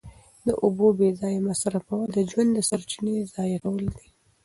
د اوبو بې ځایه مصرفول د ژوند د سرچینې ضایع کول دي.